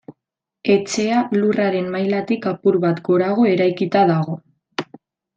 Etxea lurraren mailatik apur bat gorago eraikita dago.